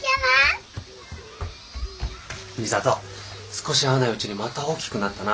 少し会わないうちにまた大きくなったな。